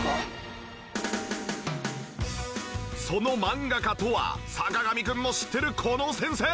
その漫画家とは坂上くんも知ってるこの先生！